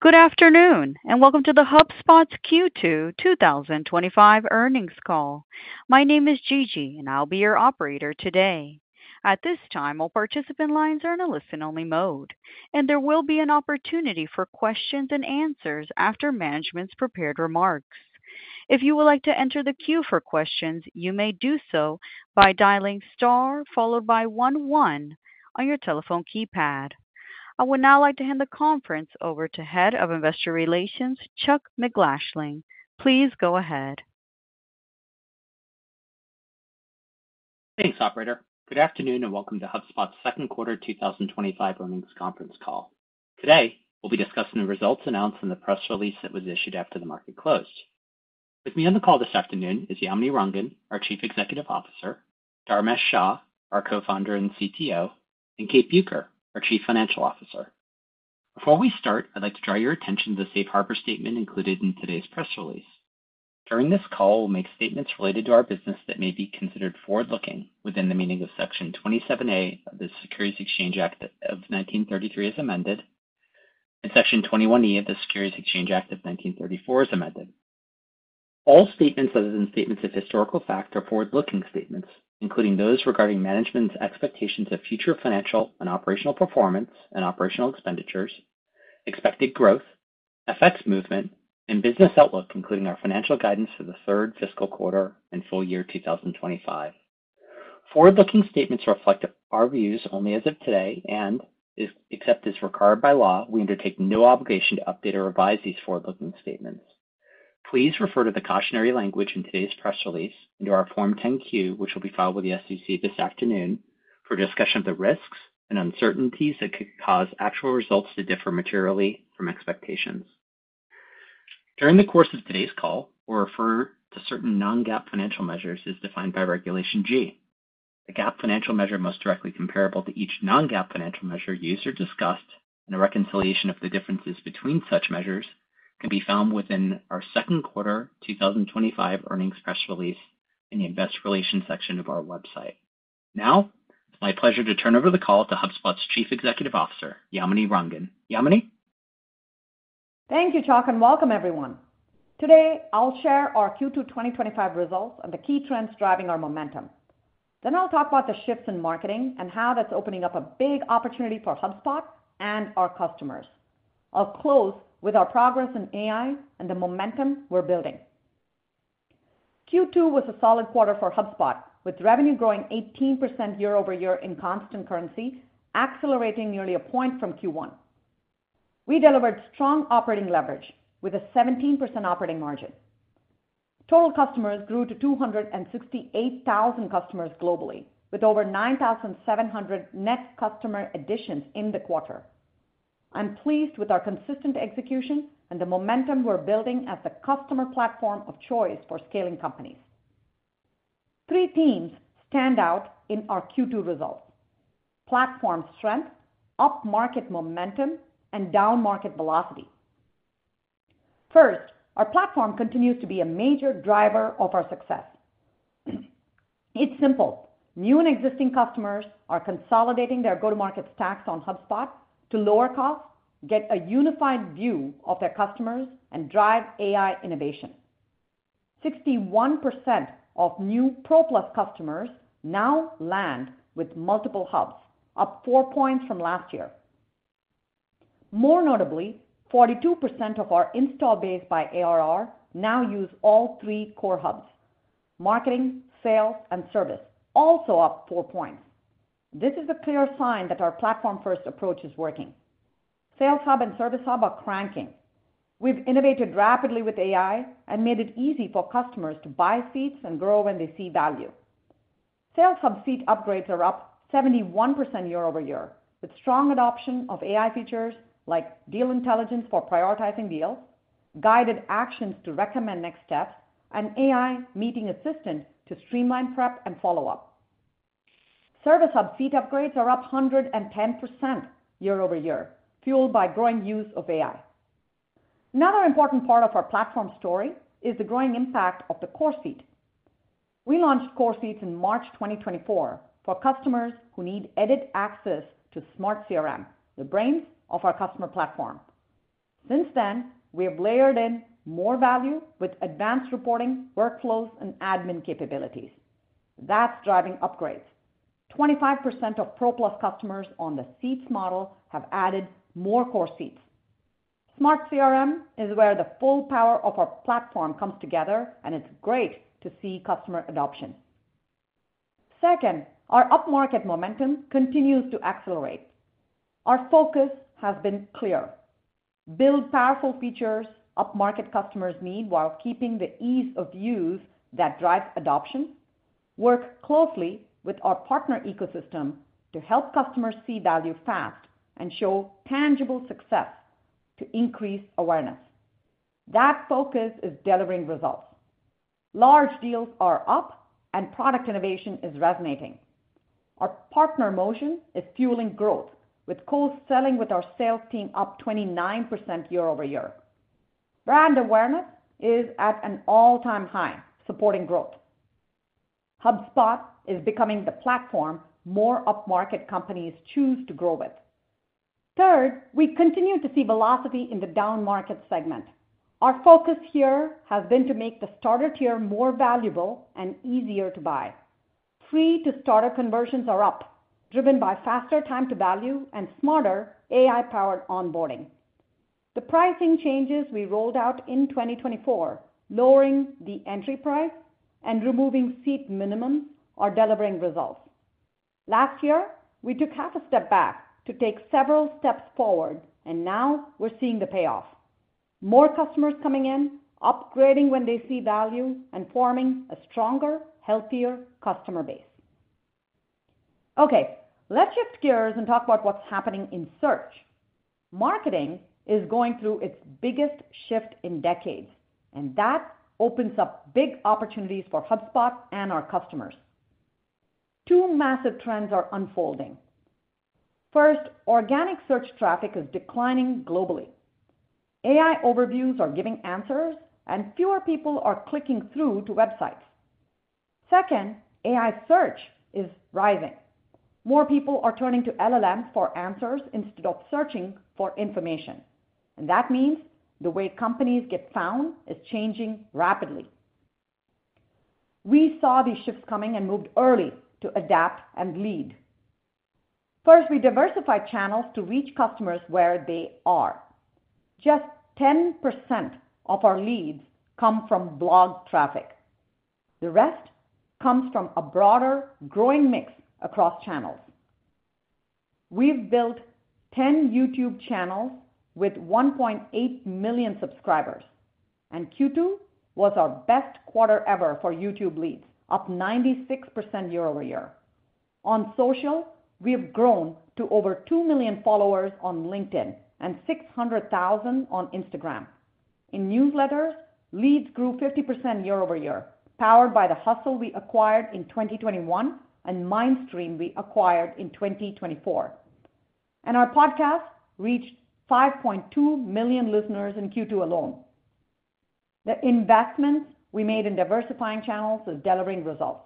Good afternoon and welcome to HubSpot's Q2 2025 earnings call. My name is Gigi and I will be your operator today. At this time, all participant lines are in a listen-only mode, and there will be an opportunity for questions and answers after management's prepared remarks. If you would like to enter the queue for questions, you may do so by dialing Star followed by one, one on your telephone keypad. I would now like to hand the conference over to Head of Investor Relations, Chuck MacGlashing. Please go ahead. Thanks, operator. Good afternoon and welcome to HubSpot's second quarter 2025 earnings conference call. Today we'll be discussing the results announced in the press release that was issued after the market closed. With me on the call this afternoon is Yamini Rangan, our Chief Executive Officer, Dharmesh Shah, our Co-Founder and CTO, and Kate Bueker, our Chief Financial Officer. Before we start, I'd like to draw your attention to the Safe Harbor statement included in today's press release. During this call, we'll make statements related to our business that may be considered forward-looking within the meaning of Section 27A of the Securities Exchange Act of 1933 as amended and Section 21E of the Securities Exchange Act of 1934 as amended. All statements other than statements of historical fact are forward-looking statements, including those regarding management's expectations of future financial and operational performance and operational expenditures, expected growth, FX movement, and business outlook, including our financial guidance for the third fiscal quarter and full year 2025. Forward-looking statements reflect our views only as of today, and except as required by law, we undertake no obligation to update or revise these forward-looking statements. Please refer to the cautionary language in today's press release and to our Form 10-Q, which will be filed with the SEC this afternoon, for discussion of the risks and uncertainties that could cause actual results to differ materially from expectations. During the course of today's call, we'll refer to certain non-GAAP financial measures as defined by Regulation G. The GAAP financial measure most directly comparable to each non-GAAP financial measure used or discussed and a reconciliation of the differences between such measures can be found within our second quarter 2025 earnings press release in the Investor Relations section of our website. Now, my pleasure to turn over the call to HubSpot's Chief Executive Officer, Yamini Rangan. Yamini, thank you, Chak, and welcome everyone. Today I'll share our Q2 2025 results and the key trends driving our momentum. I'll talk about the shifts in marketing and how that's opening up a big opportunity for HubSpot and our customers. I'll close with our progress in AI and the momentum we're building. Q2 was a solid quarter for HubSpot with revenue growing 18% year-over-year in constant currency, accelerating nearly a point from Q1. We delivered strong operating leverage with a 17% operating margin. Total customers grew to 268,000 customers globally with over 9,700 net customer additions in the quarter. I'm pleased with our consistent execution and the momentum we're building as the customer platform of choice for scaling companies. Three themes stand out in our Q2 results: platform strength, upmarket momentum, and downmarket velocity. First, our platform continues to be a major driver of our success. It's simple. New and existing customers are consolidating their go-to-market stacks on HubSpot to lower costs, get a unified view of their customers, and drive AI innovation. 61% of new Pro Plus customers now land with multiple hubs, up 4 points from last year. More notably, 42% of our install base by arrangement now use all three core hubs: marketing, sales, and service, also up 4 points. This is a clear sign that our platform-first approach is working. Sales Hub and Service Hub are cranking. We've innovated rapidly with AI and made it easy for customers to buy seats and grow when they see value. Sales Hub seat upgrades are up 71% year-over-year with strong adoption of AI features like deal intelligence for prioritizing deals, guided actions to recommend next steps, and AI meeting assistant to streamline prep and follow-up. Service Hub seat upgrades are up 110% year-over-year, fueled by growing use of AI. Another important part of our platform story is the growing impact of the core seat. We launched core seats in March 2024 for customers who need edit access to Smart CRM, the brains of our customer platform. Since then, we have layered in more value with advanced reporting, workflows, and admin capabilities. That's driving upgrades. 25% of ProPlus customers on the seats model have added more core seats. Smart CRM is where the full power of our platform comes together, and it's great to see customer adoption. Second, our upmarket momentum continues to accelerate. Our focus has been clear: build powerful features upmarket customers need while keeping the ease of use that drives adoption. Work closely with our partner ecosystem to help customers see value fast and show tangible success. To increase awareness, that focus is delivering results. Large deals are up, and product innovation is resonating. Our partner motion is fueling growth with co-selling. With our sales team up 29% year-over-year, brand awareness is at an all-time high. Supporting growth, HubSpot is becoming the platform more upmarket companies choose to grow with. Third, we continue to see velocity in the downmarket segment. Our focus here has been to make. The Starter tier is more valuable and easier to buy. Free to Starter conversions are up, driven by faster time to value and smarter AI-powered onboarding. The pricing changes we rolled out in 2024, lowering the entry price and removing seat minimum, are delivering results. Last year we took half a step back to take several steps forward, and now we're seeing the payoff. More customers are coming in, upgrading when they see value, and forming a stronger, healthier customer base. Okay, let's shift gears and talk about what's happening in search. Marketing is going through its biggest shift in decades, and that opens up big opportunities for HubSpot and our customers. Two massive trends are unfolding. First, organic search traffic is declining globally. AI overviews are giving answers, and fewer people are clicking through to websites. Second, AI search is rising. More people are turning to LLMs for answers instead of searching for information. That means the way companies get found is changing rapidly. We saw these shifts coming and moved early to adapt and lead. First, we diversify channels to reach customers where they are. Just 10% of our leads come from blog traffic. The rest comes from a broader, growing mix across channels. We've built 10 YouTube channels with 1.8 million subscribers, and Q2 was our best quarter ever for YouTube leads. They are up 96% year-over-year. On social, we have grown to over 2 million followers on LinkedIn and 600,000 on Instagram. In newsletters, leads grew 50% year-over-year, powered by The Hustle we acquired in 2021 and Mindstream we acquired in 2024, and our podcast reached 5.2 million listeners in Q2 alone. The investments we made in diversifying channels are delivering results.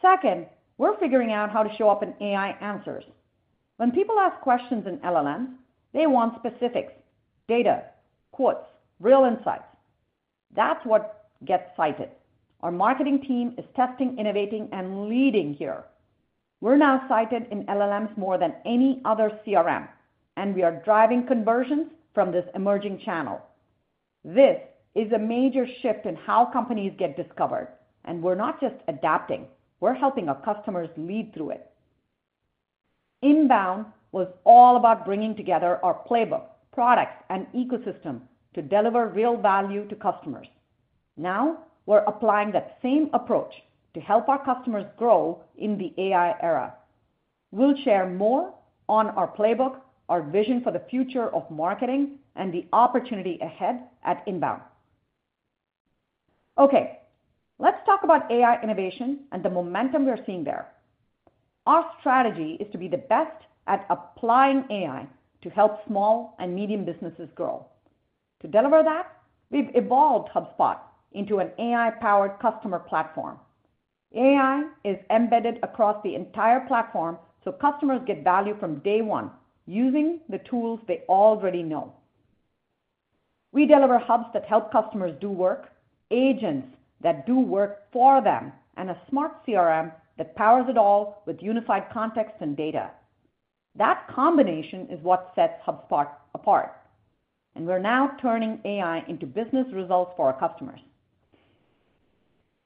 Second, we're figuring out how to show up in AI answers. When people ask questions in LLMs, they want specifics, data, quotes, real insights. That's what gets cited. Our marketing team is testing, innovating, and leading here. We're now cited in LLMs more than any other CRM, and we are driving conversions from this emerging channel. This is a major shift in how companies get discovered, and we're not just adapting, we're helping our customers lead through it. Inbound was all about bringing together our playbook, products, and ecosystem to deliver real value to customers. Now we're applying that same approach to help our customers grow in the AI era. We'll share more on our playbook, our vision for the future of marketing, and the opportunity ahead at Inbound. Okay, let's talk about AI innovation and the momentum we're seeing there. Our strategy is to be the best at applying AI to help small and medium businesses grow. To deliver that, we've evolved HubSpot into an AI-powered customer platform. AI is embedded across the entire platform so customers get value from day one using the tools they already know. We deliver hubs that help customers do work, agents that do work for them, and a Smart CRM that powers it all with unified context and data. That combination is what sets HubSpot apart and we're now turning AI into business results for our customers.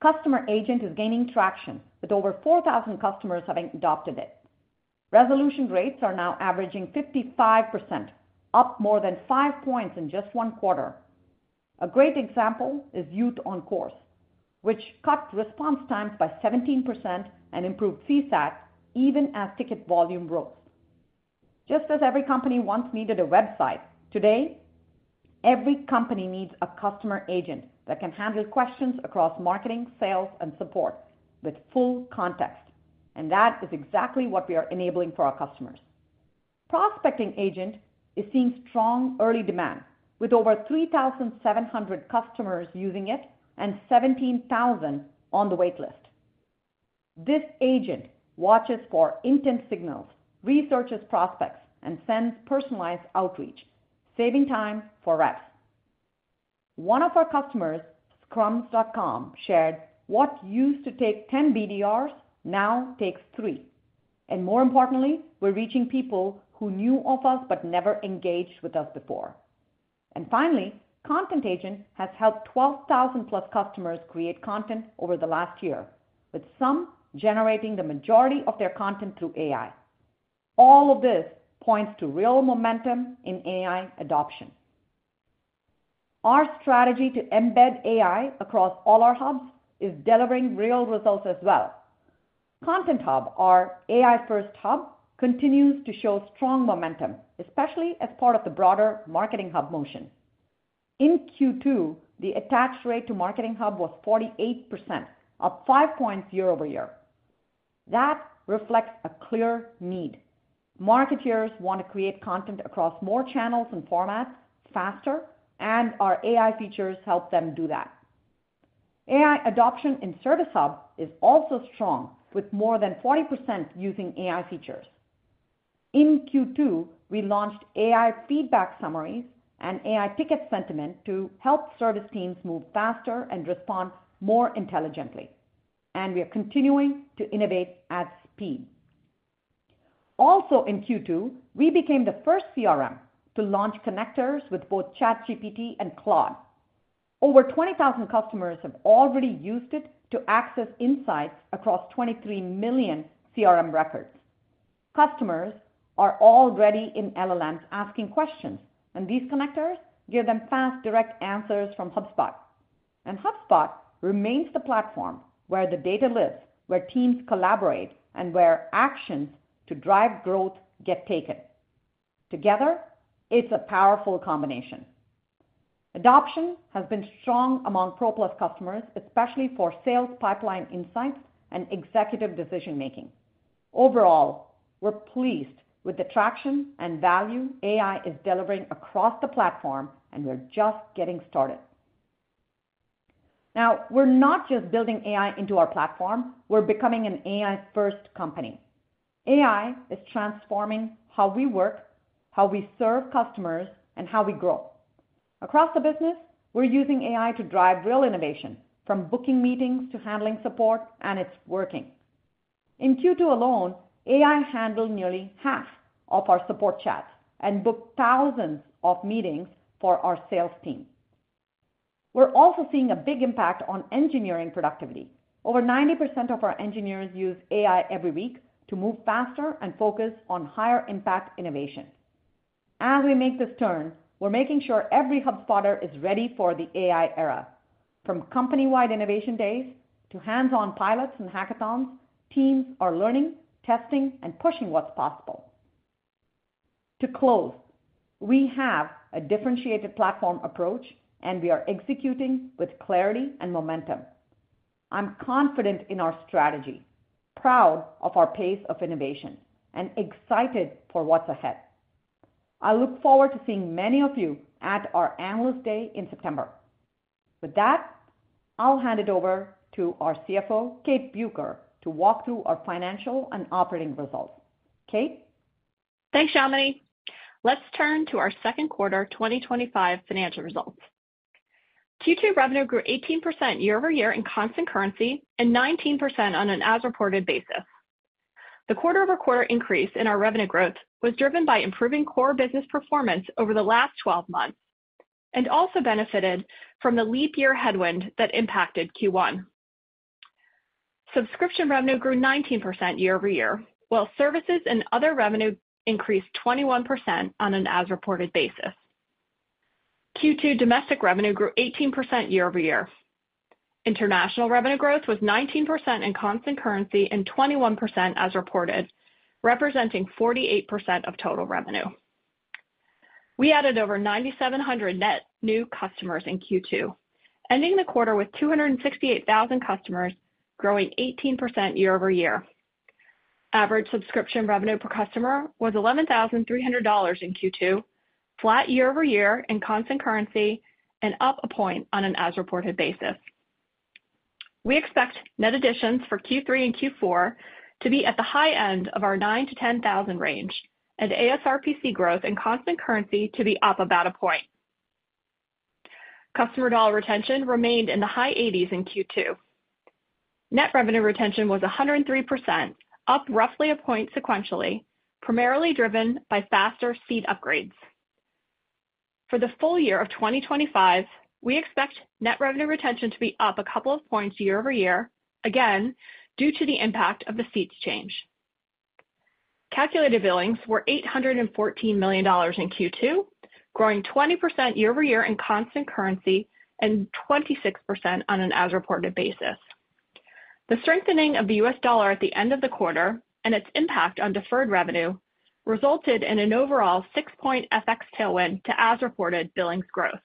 Customer Agent is gaining traction with over 4,000 customers having adopted it. Resolution rates are now averaging 55%, up more than 5 points in just one quarter. A great example is Youth on Course, which cut response times by 17% and improved CSAT even as ticket volume rose. Just as every company once needed a website, today every company needs a customer agent that can handle questions across marketing, sales, and support with full context. That is exactly what we are enabling for our customers. Prospecting Agent is seeing strong early demand with over 3,700 customers using it and 17,000 on the wait list. This agent watches for intent signals, researches prospects, and sends personalized outreach, saving time for reps. One of our customers, scrums.com, shared what used to take 10 BDRs now takes three. More importantly, we're reaching people who knew of us but never engaged with us before. Finally, Content Agent has helped 12,000+ customers create content over the last year, with some generating the majority of their content through AI. All of this points to real momentum in AI adoption. Our strategy to embed AI across all our hubs is delivering real results as well. Content Hub, our AI-first hub, continues to show strong momentum, especially as part of the broader Marketing Hub motion. In Q2, the attach rate to Marketing Hub was 48%, up 5 points year-over-year. That reflects a clear need. Marketers want to create content across more channels and formats faster, and our AI features help them do that. AI adoption in Service Hub is also strong with more than 40% using AI features. In Q2, we launched AI feedback summary and AI ticket sentiment to help service. Teams move faster and respond more intelligently, and we are continuing to innovate at speed. Also in Q2 we became the first CRM to launch connectors with both ChatGPT and Claude. Over 20,000 customers have already used it to access insights across 23 million CRM records. Customers are already in LLMs asking questions, and these connectors give them fast, direct answers from HubSpot. HubSpot remains the platform where the data lives, where teams collaborate, and where actions to drive growth get taken together. It's a powerful combination. Adoption has been strong among ProPlus customers, especially for sales, pipeline insight, and executive decision making. Overall, we're pleased with the traction and value AI is delivering across the platform. We're just getting started. Now, we're not just building AI into our platform, we're becoming an AI-first company. AI is transforming how we work, how we serve customers, and how we grow across the business. We're using AI to drive real innovation, from booking meetings to handling support. It's working. In Q2 alone, AI handled nearly half of our support chat and booked thousands of meetings for our sales team. We're also seeing a big impact on engineering productivity. Over 90% of our engineers use AI every week to move faster and focus on higher-impact innovation. As we make this turn, we're making sure every HubSpotter is ready for the AI era. From company-wide innovation days to hands-on pilots and hackathons, teams are learning, testing, and pushing what's possible to close. We have a differentiated platform approach, and we are executing with clarity and momentum. I'm confident in our strategy, proud of our pace of innovation, and excited for what's ahead. I look forward to seeing many of you at our Analyst Day in September. With that, I'll hand it over to our CFO, Kate Bueker, to walk through our financial and operating results. Kate, Thanks, Yamini. Let's turn to our second quarter 2025 financial results. Q2 revenue grew 18% year-over-year in constant currency and 19% on an as reported basis. The quarter-over-quarter increase in our revenue growth was driven by improving core business performance over the last 12 months and also benefited from the leap year headwind that impacted Q1. Subscription revenue grew 19% year-over -ear while services and other revenue increased 21% on an as reported basis. Q2 domestic revenue grew 18% year-over-year. International revenue growth was 19% in constant currency and 21% as reported, representing 48% of total revenue. We added over 9,700 net new customers in Q2, ending the quarter with 268,000 customers, growing 18% year-over-year. Average subscription revenue per customer was $11,300 in Q2, flat year-over-year in constant currency and up a point on an as reported basis. We expect net additions for Q3 and Q4 to be at the high end of our 9,000-10,000 range and ASRPC growth in constant currency to be up about a point. Customer dollar retention remained in the high 80s in Q2. Net revenue retention was 103%, up roughly a point sequentially, primarily driven by faster seat upgrades. For the full year of 2025, we expect net revenue retention to be up a couple of points year-over-year again due to the impact of the seats change. Calculated billings were $814 million in Q2, growing 20% year-over-year in constant currency and 26% on an as reported basis. The strengthening of the U.S. dollar at the end of the quarter and its impact on deferred revenue resulted in an overall 6 point FX tailwind to as reported billings growth.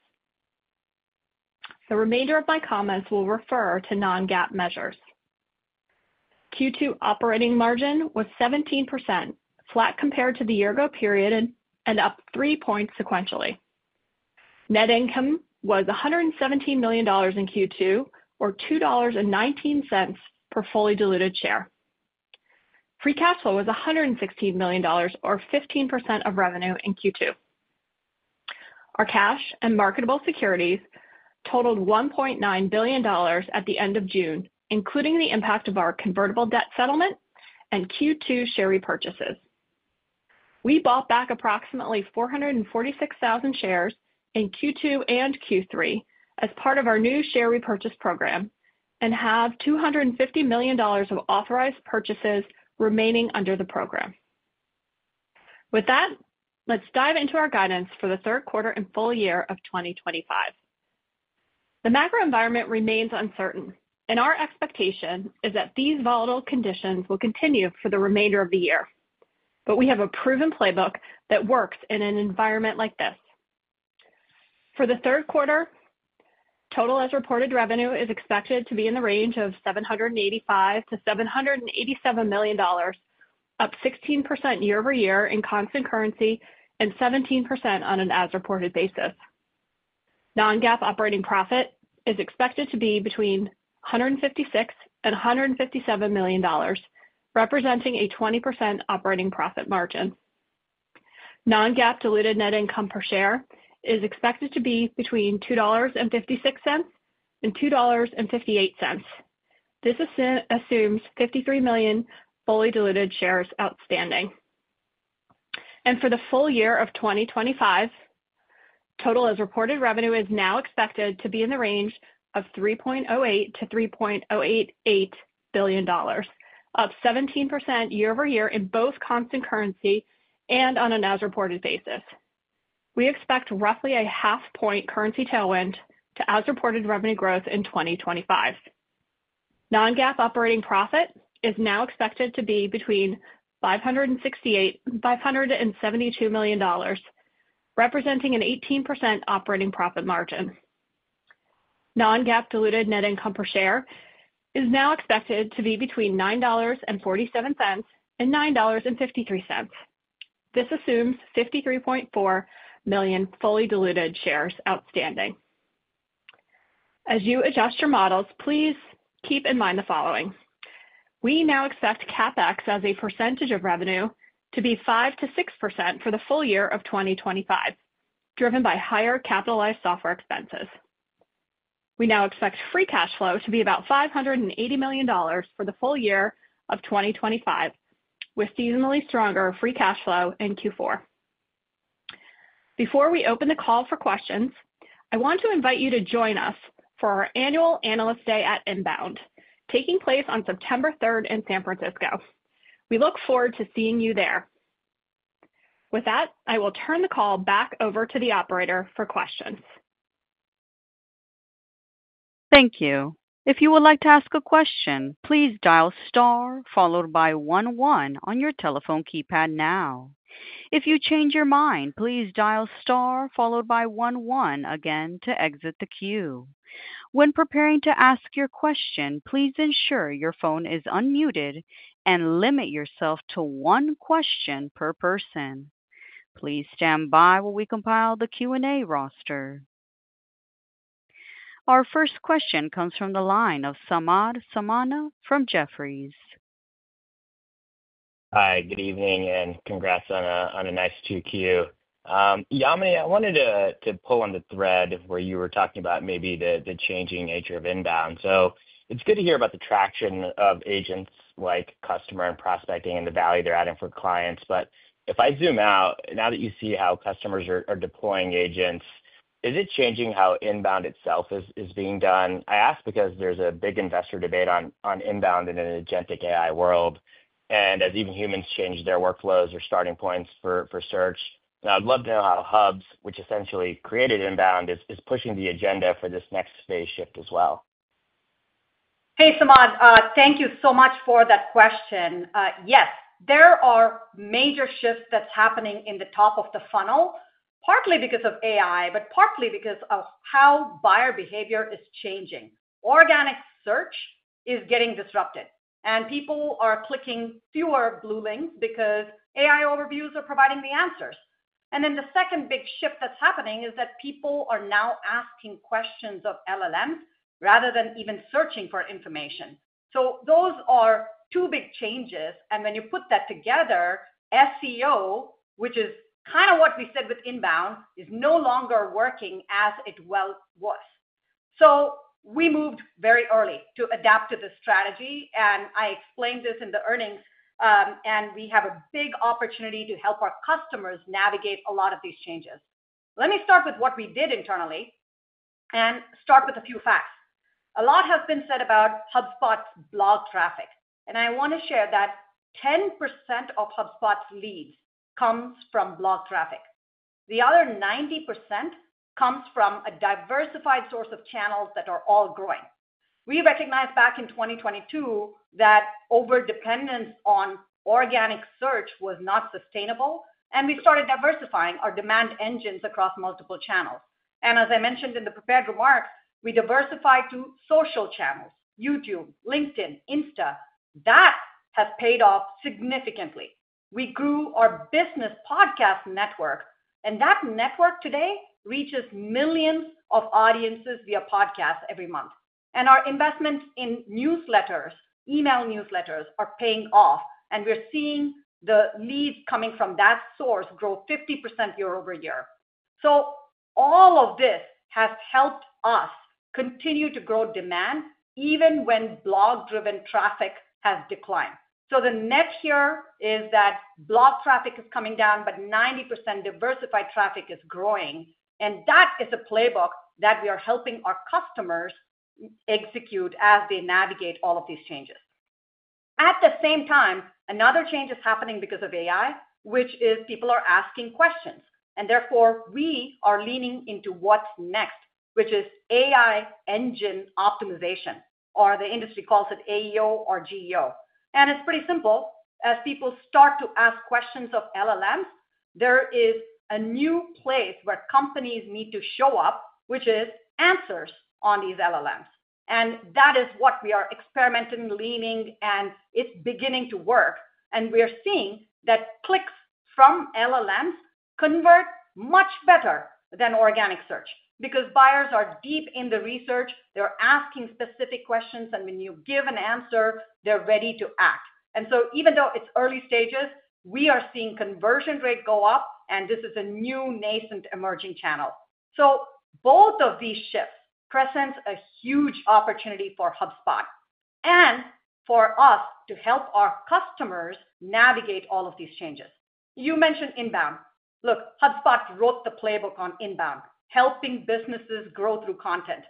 The remainder of my comments will refer to non-GAAP measures. Q2 operating margin was 17%, flat compared to the year ago period and up 3 points sequentially. Net income was $117 million in Q2 or $2.19 per fully diluted share. Free cash flow was $116 million, or 15% of revenue in Q2. Our cash and marketable securities totaled $1.9 billion at the end of June, including the impact of our convertible debt settlement and Q2 share repurchases. We bought back approximately 446,000 shares in Q2 and Q3 as part of our new share repurchase program and have $250 million of authorized purchases remaining under the program. With that, let's dive into our guidance for the third quarter and full year of 2025. The macro environment remains uncertain and our expectation is that these volatile conditions will continue for the remainder of the year, but we have a proven playbook that works in an environment like this. For the third quarter, total as reported revenue is expected to be in the range of $785 million-$787 million, up 16% year-over-year in constant currency and 17% on an as reported basis. Non-GAAP operating profit is expected to be between $156 million and $157 million, representing a 20% operating profit margin. Non-GAAP diluted net income per share is expected to be between $2.56 and $2.58. This assumes 53 million fully diluted shares outstanding. For the full year of 2025, total as reported revenue is now expected to be in the range of $3.08 billion-$3.088 billion, up 17% year-over-year in both constant currency and on an as reported basis. We expect roughly a half point currency tailwind to as reported revenue growth in 2025. Non-GAAP operating profit is now expected to be between $568 million and $572 million, representing an 18% operating profit margin. Non-GAAP diluted net income per share is now expected to be between $9.47 and $9.53. This assumes 53.4 million fully diluted shares outstanding. As you adjust your models, please keep in mind the following: we now expect CapEx as a percentage of revenue to be 5%-6% for the full year of 2025, driven by higher capitalized software expenses. We now expect free cash flow to be about $580 million for the full year of 2025, with seasonally stronger free cash flow in Q4. Before we open the call for questions, I want to invite you to join us for our annual Analyst Day at Inbound, taking place on September 3rd in San Francisco. We look forward to seeing you there. With that, I will turn the call back over to the operator for questions. Thank you. If you would like to ask a question, please dial star followed by one, one on your telephone keypad. If you change your mind, please dial star followed by one, one again to exit the queue. When preparing to ask your question, please ensure your phone is unmuted and limit yourself to one question per person. Please stand by while we compile the Q&A roster. Our first question comes from the line of Samad Samana from Jefferies. Hi, good evening and congrats on a nice 2Q, Yamini. I wanted to pull on the thread where you were talking about maybe the changing nature of inbound, so it's good to hear about the traction of agents like Customer and Prospecting and the value they're adding for clients. If I zoom out, now that you see how customers are deploying agents, is it changing how inbound itself is being done? I ask because there's a big investor debate on inbound in an agentic AI world, and as even humans change their workflows or starting points for search, I'd love to know how HubSpot, which essentially created inbound, is pushing the agenda for this next phase shift as well. Hey Samad, thank you so much for that question. Yes, there are major shifts that's happening in the top of the funnel, partly because of AI, but partly because of how buyer behavior is changing. Organic search is getting disrupted, and people are clicking fewer blue links because AI overviews are providing the answers. The second big shift that's happening is that people are now asking questions of LLMs rather than even searching for information. Those are two big changes. When you put that together, SEO, which is kind of what we said with Inbound, is no longer working as it was. We moved very early to adapt to this strategy. I explained this in the earnings, and we have a big opportunity to help our customers navigate a lot of these changes. Let me start with what we did internally and start with a few facts. A lot has been said about HubSpot's blog traffic, and I want to share that 10% of HubSpot's leads comes from blog traffic. The other 90% comes from a diversified source of channels that are all growing. We recognized back in 2022 that overdependence on organic search was not sustainable, and we started diversifying our demand engines across multiple channels. As I mentioned in the prepared remarks, we diversified to social channels, YouTube, LinkedIn, Insta. That has paid off significantly. We grew our business podcast network, and that network today reaches millions of audiences via podcasts every month. Our investments in newsletters, email newsletters, are paying off, and we're seeing the leads coming from that source grow 50% year-over-year. All of this has helped us continue to grow demand even when blog-driven traffic has declined. The net here is that blog traffic is coming down, but 90% diversified traffic is growing. That is a playbook that we are helping our customers execute as they navigate all of these changes. At the same time, another change is happening because of AI, which is people are asking questions, and therefore we are leaning into what next, which is AI engine optimization, or the industry calls it AEO or GEO. It's pretty simple. As people start to ask questions of LLMs, there is a new place where companies need to show up, which is answers on these LLMs. That is what we are experimenting, leaning in, and it is beginning to work. We are seeing that clicks from LLMs convert much better than organic search because buyers are deep in the research, they're asking specific questions, and when you give an answer, they're ready to act. Even though it's early stages, we are seeing conversion rate go up. This is a new nascent emerging channel. Both of these shifts present a huge opportunity for HubSpot and for us to help our customers navigate all of these changes. You mentioned inbound. HubSpot wrote the playbook on inbound, helping businesses grow through content.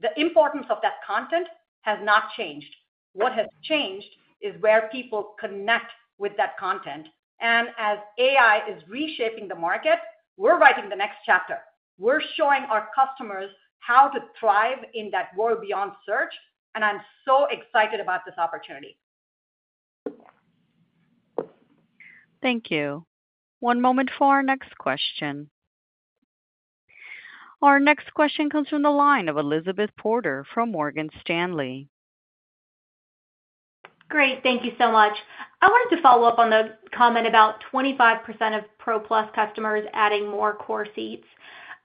The importance of that content has not changed. What has changed is where people connect with that content. As AI is reshaping the market, we're writing the next chapter. We're showing our customers how to thrive in that world beyond search, and I'm so excited about this opportunity. Thank you. One moment for our next question. Our next question comes from the line of Elizabeth Porter from Morgan Stanley. Great. Thank you so much. I wanted to follow up on the comment about 25% of ProPlus customers adding more core seats.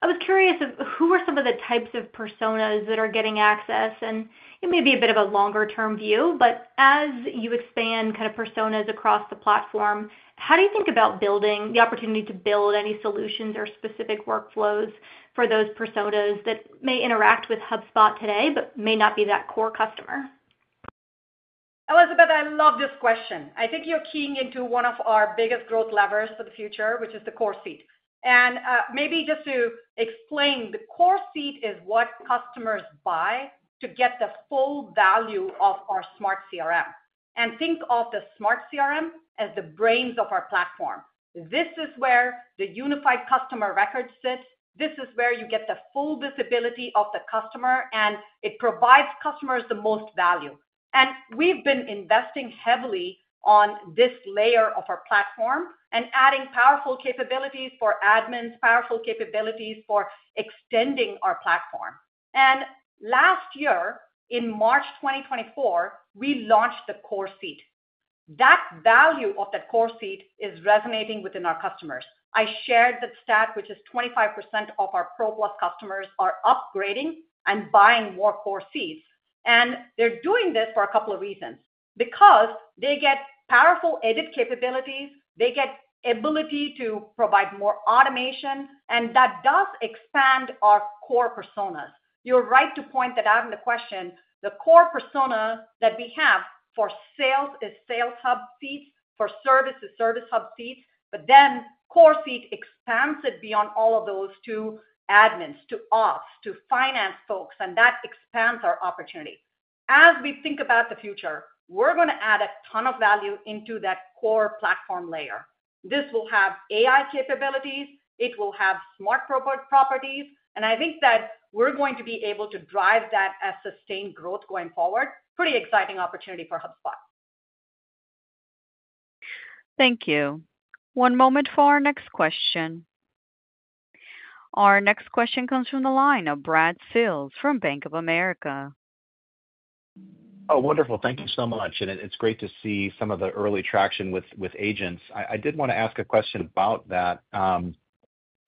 I was curious who are some of. The types of personas that are getting access, and it may be a bit of a longer-term view, but as you expand personas across the platform, how do you think about building the opportunity to build any solutions or specific workflows for those personas that may interact with HubSpot today but may not be that core customer? Elizabeth, I love this question. I think you're keying into one of our biggest growth levers for the future, which is the core seat. Maybe just to explain, the core seat is what customers buy to get the full value of our Smart CRM, and think of the Smart CRM as the brains of our platform. This is where the unified customer record sits. This is where you get the full visibility of the customer, and it provides customers the most value. We've been investing heavily on this layer of our platform and adding powerful capabilities for admins, powerful capabilities for extending our platform. Last year in March 2024, we launched the core seat. The value of that core seat is resonating within our customers. I shared that stat, which is 25% of our ProPlus customers are upgrading and buying more core seats. They're doing this for a couple of reasons because they get powerful edit capabilities, they get ability to provide more automation, and that does expand our core personas. You're right to point that out in the question. The core persona that we have for sales is Sales Hub seats. For service, it is Service Hub seats. The core seat expands it beyond all of those to admins, to us, to finance folks, and that expands our opportunity. As we think about the future, we're going to add a ton of value into that core platform layer. This will have AI capabilities, it will have smart robot properties, and I think that we're going to be able to drive that as sustained growth going forward. Pretty exciting opportunity for HubSpot. Thank you. One moment for our next question. Our next question comes from the line of Brad Sills from Bank of America. Oh, wonderful. Thank you so much. It's great to see some of the early traction with agents. I did want to ask a question about that.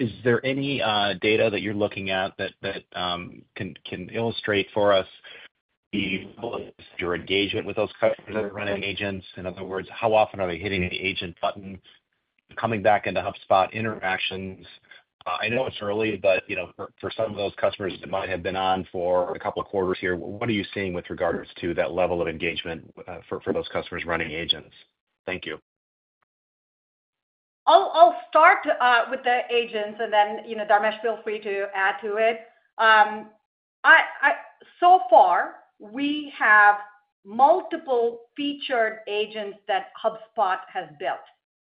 Is there any data that you're looking at that can illustrate for us your engagement with those customers that are running agents? In other words, how often are they hitting the agent button, coming back into HubSpot interactions? I know it's early, but for some of those customers that might have been on for a couple of quarters here, what are you seeing with regards to that level of engagement for those customers running agents? Thank you. I'll start with the agents and then Dharmesh, feel free to add to it. So far we have multiple featured agents that HubSpot has built: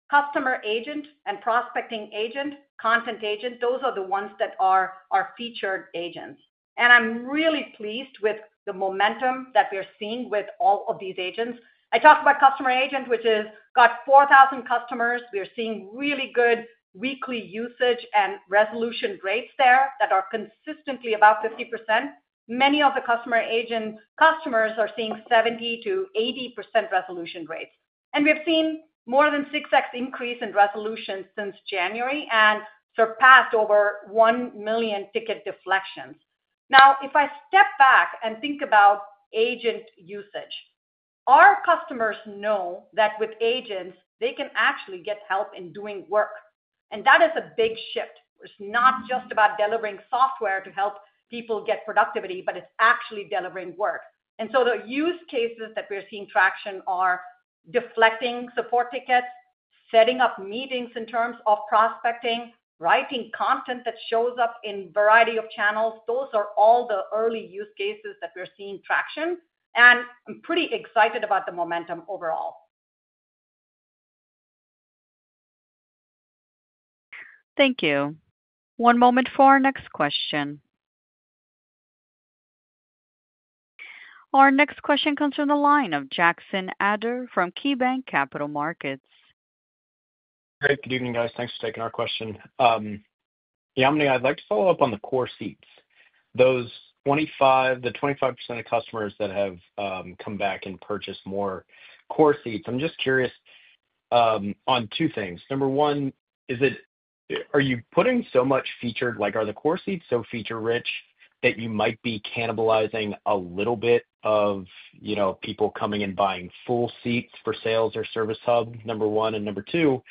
Customer Agent, Prospecting Agent, Content Agent. Those are the ones that are our featured agents. I'm really pleased with the momentum that we are seeing with all of these agents. I talked about Customer Agent, which has got 4,000 customers. We are seeing really good weekly usage and resolution rates there that are consistently about 50%. Many of the Customer Agent customers are seeing 70%-80% resolution rates and we have seen more than 6x increase in resolution since January and surpassed over 1 million ticket deflections. Now if I step back and think about agent usage, our customers know that with agents they can actually get help in doing work. That is a big shift. It's not just about delivering software to help people get productivity, but it's actually delivering work. The use cases that we're seeing traction are deflecting support tickets, setting up meetings in terms of prospecting, writing content that shows up in a variety of channels. Those are all the early use cases that we're seeing traction and I'm pretty excited about the momentum overall. Thank you. One moment for our next question. Our next question comes from the line of Jackson Ader from KeyBanc Capital Markets. Great. Good evening, guys. Thanks for taking our question. Yamini, I'd like to follow up on the core seats. Those 25%, the 25% of customers that have come back and purchased more core seats. I'm just curious on two things. Number one, is it, are you putting so much feature, like are the core seats so feature rich that you might be cannibalizing a little bit of, you know, people coming and buying full seats for Sales Hub or Service Hub, number one. Number two,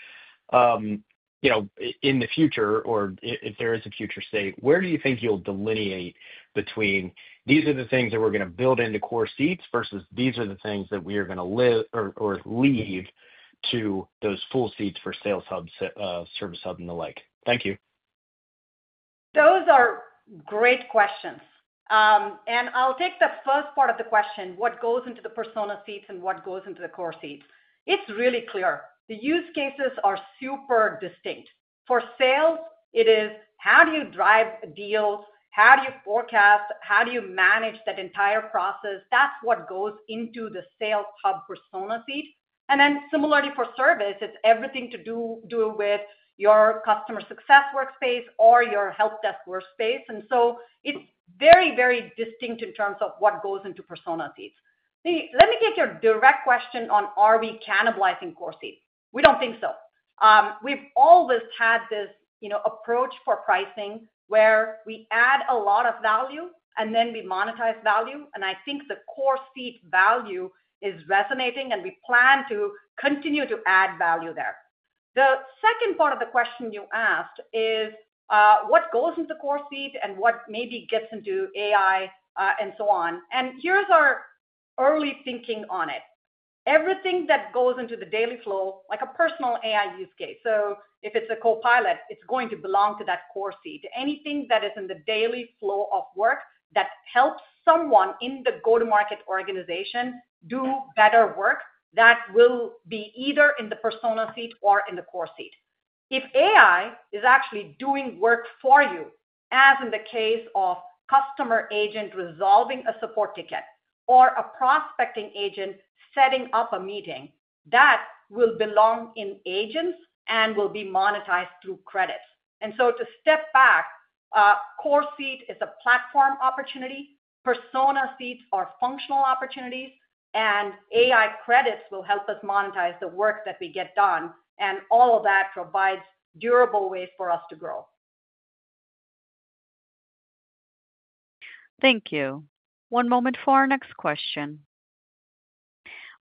in the future or if there is a future state, where do you think you'll delineate between these are the things that we're going to build into core seats versus these are the things that we are going to lead to those full seats for Sales Hub, Service Hub and the like. Thank you. Those are great questions. I'll take the first part of the question. What goes into the Persona seats and what goes into the core seats? It's really clear the use cases are super distinct. For sales, it is how do you drive deals, how do you forecast, how do you manage that entire process? That's what goes into the Sales Hub Persona seat. Similarly, for service, it's everything to do with your customer success workspace or your help desk workspace. It's very, very distinct in terms of what goes into Persona seats. Let me get to your direct question on are we cannibalizing core seats. We don't think so. We've always had this approach for pricing where we add a lot of value and then we monetize value, and I think the core seat value is resonating and we plan to continue to add value there. The second part of the question you asked is what goes into the core seat and what maybe gets into AI and so on. Here's our early thinking on it. Everything that goes into the daily flow, like a personal AI use case, if it's a copilot, it's going to belong to that core seat. Anything that is in the daily flow of work that helps someone in the go-to-market organization do better work will be either in the Persona seat or in the core seat. If AI is actually doing work for you, as in the case of Customer Agent resolving a support ticket or a Prospecting Agent setting up a meeting, that will belong in agents and will be monetized through credits. To step back, core seat is a platform opportunity. Persona seats are functional opportunities, and AI credits will help us monetize the work that we get done. All of that provides a durable way for us to grow. Thank you. One moment for our next question.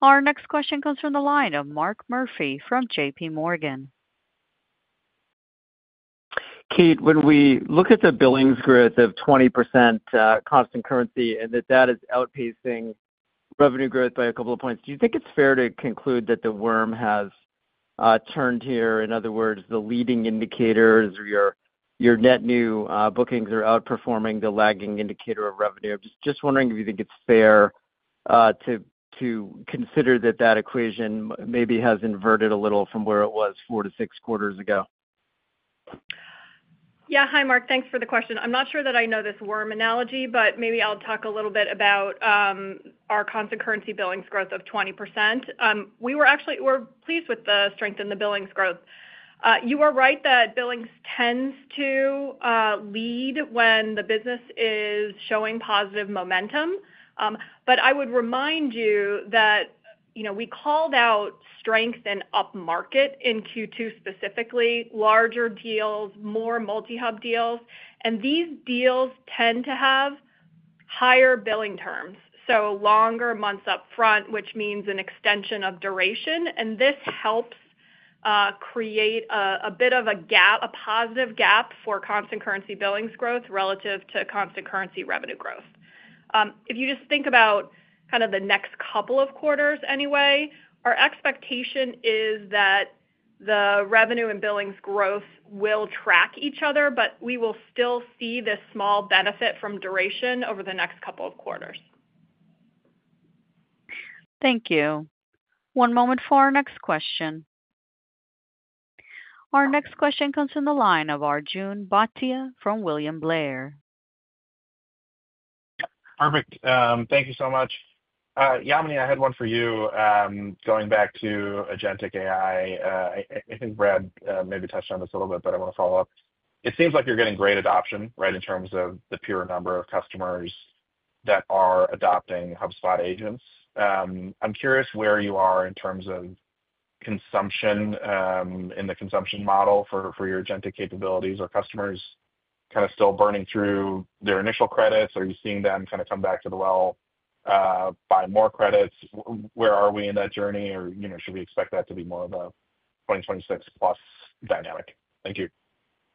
Our next question comes from the line of Mark Murphy from JPMorgan. Kate, when we look at the billings. Growth of 20% constant currency and that is outpacing revenue growth by a couple of points. Do you think it's fair to conclude that the worm has turned here? In other words, the leading indicators, your net new bookings, are outperforming the lagging indicator of revenue. Just wondering if you think it's fair to consider that that equation maybe has inverted a little from where it was four to six quarters ago. Yeah. Hi Mark, thanks for the question. I'm not sure that I know this worm analogy, but maybe I'll talk a little bit about our constant currency billings growth of 20%. We were actually pleased with the strength in the billings growth. You are right that billings tends to lead when the business is showing positive momentum. I would remind you that we called out strength in upmarket in Q2, specifically larger deals, more multi-hub deals, and these deals tend to have higher billing terms, so longer months up front, which means an extension of duration. This helps create a bit of a gap, a positive gap for constant currency billings growth relative to constant currency revenue growth. If you just think about kind of the next couple of quarters, our expectation is that the revenue and billings growth will track each other, but we will still see this small benefit from duration over the next couple of quarters. Thank you. One moment for our next question. Our next question comes from the line of Arjun Bhatia from William Blair. Perfect. Thank you so much. Yamini, I had one for you. Going back to Agentic AI, I think Brad maybe touched on this a little bit, but I want to follow up. It seems like you're getting great adoption, right? In terms of the pure number of customers that are adopting HubSpot agents. I'm curious where you are in terms of consumption in the consumption model for your agentic capabilities or are customers kind of still burning through their initial credits. Are you seeing them kind of come back to the well, buy more credits? Where are we in that journey or should we expect that to be more of a 2026+ dynamic? Thank you.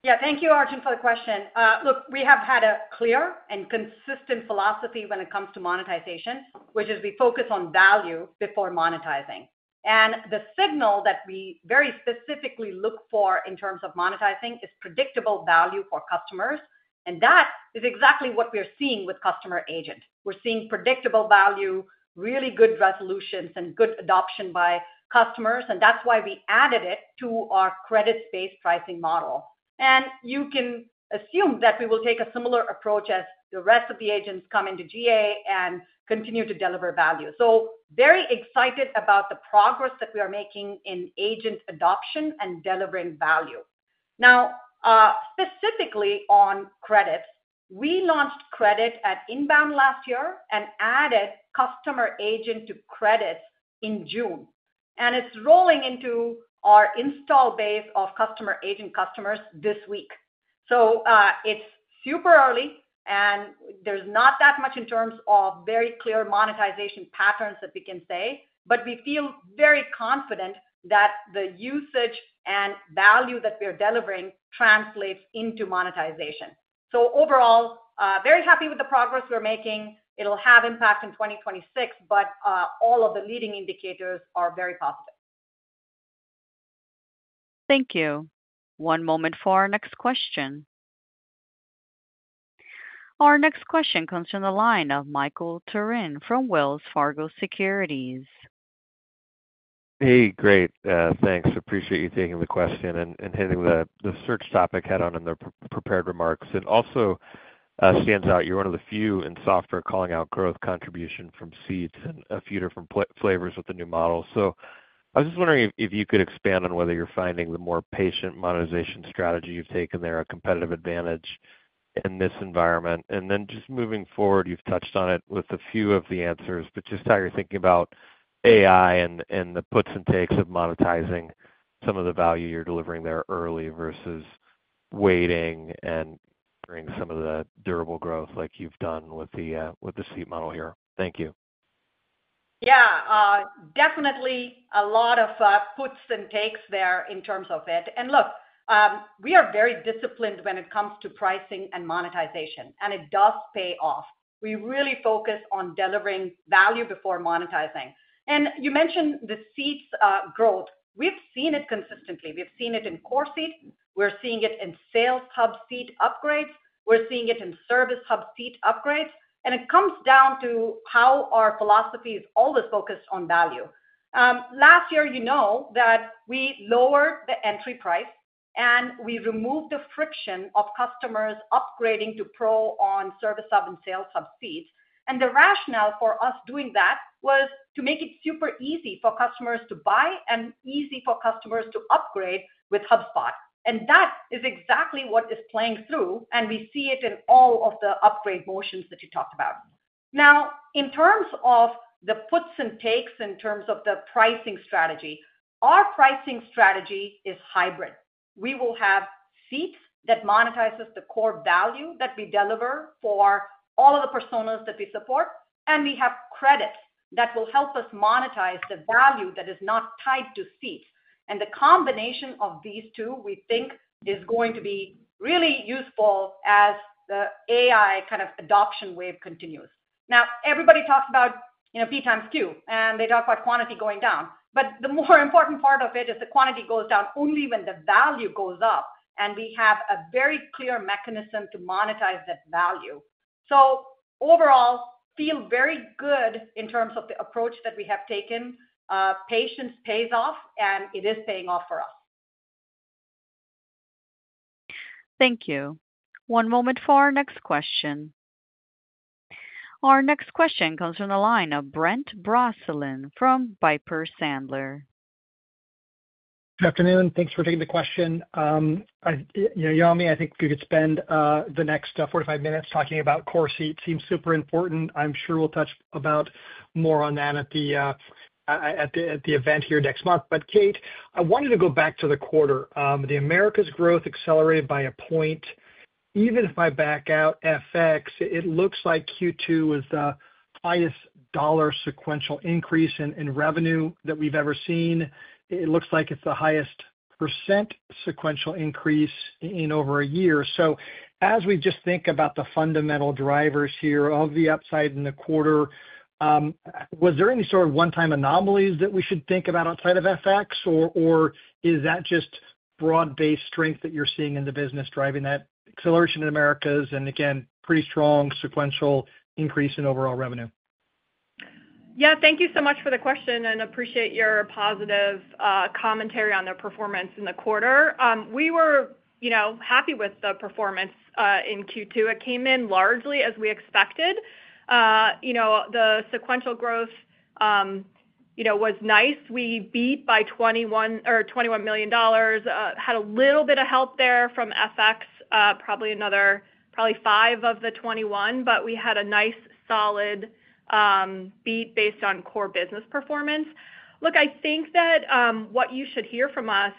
Yeah, thank you, Arjun, for the question. Look, we have had a clear and consistent philosophy when it comes to monetization, which is we focus on value before monetizing, and the signal that we very specifically look for in terms of monetizing is predictable value for customers. That is exactly what we are seeing with Customer Agent. We're seeing predictable value, really good resolutions, and good adoption by customers. That's why we added it to our credit-based pricing model. You can assume that we will take a similar approach as the rest of the agents come into GA and continue to deliver value. Very excited about the progress that we are making in agent adoption and delivering value. Now, specifically on credit, we launched credit at Inbound last year and added Customer Agent to credit in June, and it's rolling into our install base of Customer Agent customers this week. It's super early, and there's not that much in terms of very clear monetization patterns that we can say. We feel very confident that the usage and value that we are delivering translates into monetization. Overall, very happy with the progress we're making. It'll have impact in 2026, but all of the leading indicators are very positive. Thank you. One moment for our next question. Our next question comes from the line of Michael Turin from Wells Fargo Securities. Hey, great, thanks. Appreciate you taking the question and hitting the search topic head on. In the prepared remark, it also stands out. You're one of the few in software calling out growth contribution from seats and a few different flavors with the new model. I was just wondering if you could expand on whether you're finding the more patient monetization strategy you've taken there a competitive advantage in this environment. Just moving forward, you've touched on it with a few of the answers, just how you're thinking about AI and the puts and takes of monetizing some of the value you're delivering there early versus waiting and bringing some of the durable growth like you've done with the seat model here. Thank you. Yeah, definitely a lot of puts and takes there in terms of it. Look, we are very disciplined when it comes to pricing and monetization, and it does pay off. We really focus on delivering value before monetizing. You mentioned the seats growth. We've seen it consistently. We've seen it in core seats, we're seeing it in Sales Hub seat upgrades, we're seeing it in Service Hub seat upgrades. It comes down to how our philosophy is always focused on value. Last year, you know that we lowered the entry price and we removed the friction of customers upgrading to Pro on Service Hub and Sales Hub seats. The rationale for us doing that was to make it super easy for customers to buy and easy for customers to upgrade with HubSpot. That is exactly what is playing through. We see it in all of. The upgrade motions that you talked about. Now, in terms of the puts and takes, in terms of the pricing strategy, our pricing strategy is hybrid. We will have seats that monetizes the core value that we deliver for all of the personas that we support, and we have credit that will help us monetize the value that is not tied to seat. The combination of these two we think is going to be really useful as the AI kind of adoption wave continues. Everybody talks about P times Q, and they talk about quantity going down, but the more important part of it is the quantity goes down only when the value goes up. We have a very clear mechanism to monetize that value. Overall, feel very good in terms of the approach that we have taken. Patience pays off, and it is paying off for us. Thank you. One moment for our next question. Our next question comes from the line of Brent Bracelin from Piper Sandler. Good afternoon. Thanks for taking the question. You know, Yamini, I think you could spend the next 45 minutes talking about core seats, seems super important. I'm sure we'll touch about more on that at the, at the event here next month. Kate, I wanted to go back to the quarter. The Americas growth accelerated by a point. Even if I back out FX, it looks like Q2 was the highest dollar sequential increase in revenue that we've ever seen. It looks like it's the highest percent sequential increase in over a year. As we just think about the fundamental drivers here of the upside in the quarter, was there any sort of one-time anomalies that we should think about outside of FX, or is that just broad-based strength that you're seeing in the business driving that acceleration in Americas? Again, pretty strong sequential increase in overall revenue. Yeah, thank you so much for the. Question and appreciate your positive commentary on the performance in the quarter. We were happy with the performance in Q2. It came in largely as we expected. The sequential growth was nice. We beat by $21 million. Had a little bit of help there from FX, probably another, probably five of the 21. We had a nice solid beat based on core business performance. Look, I think that what you should hear from us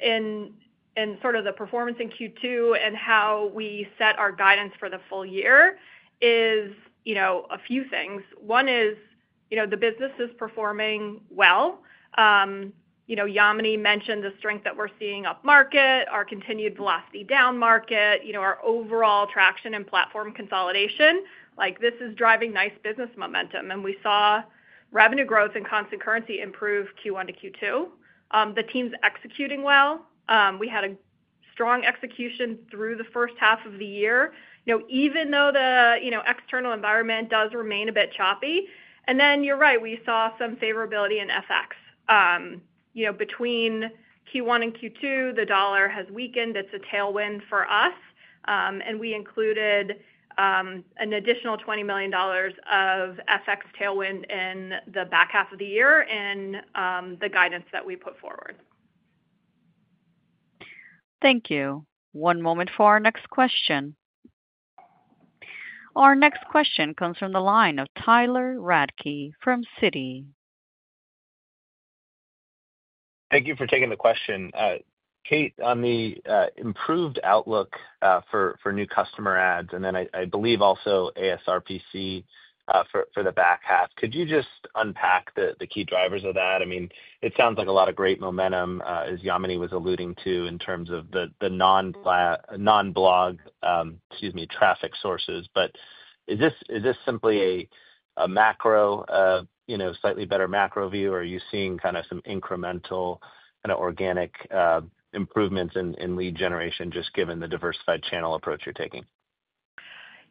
in the performance in Q2 and how we set our guidance for the full year is a few things. One is the business is performing well. Yamini mentioned the strength that we're seeing upmarket, our continued velocity downmarket, our overall traction and platform consolidation like this is driving nice business momentum. We saw revenue growth in constant currency improve Q1 to Q2. The team's executing well. We had a strong execution through the first half of the year, even though the external environment does remain a bit choppy. You're right, we saw some favorability in FX. Between Q1 and Q2, the dollar has weakened. It's a tailwind for us. We included an additional $20 million of FX tailwind in the back half of the year in the guidance that we put forward. Thank you. One moment for our next question. Our next question comes from the line of Tyler Radke from Citi. Thank you for taking the question, Kate, on the improved outlook for new customer ads and then I believe also ASRPC for the back half. Could you just unpack the key drivers of that? I mean it sounds like a lot of great momentum as Yamini was alluding to in terms of the non-blog, excuse me, traffic sources, but is this simply a macro, you know, slightly better macro view or are you seeing kind of some incremental and organic improvements in lead generation just given the diversified channel approach you're taking?